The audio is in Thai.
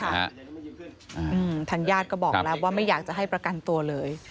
ทางญาติก็บอกแล้วว่าไม่อยากจะให้ประกันตัวเลย